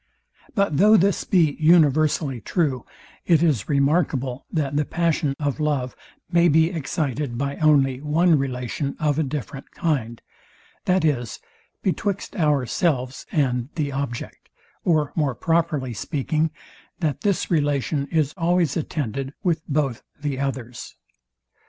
But though this be universally true, it is remarkable that the passion of love may be excited by only one relation of a different kind, viz, betwixt ourselves and the object; or more properly speaking, that this relation is always attended with both the others.